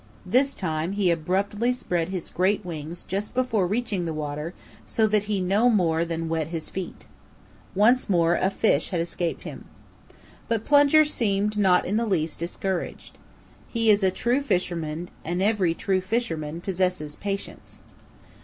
This time he abruptly spread his great wings just before reaching the water so that he no more than wet his feet. Once more a fish had escaped him. But Plunger seemed not in the least discouraged. He is a true fisherman and every true fisherman possesses patience.